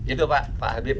itu pak habib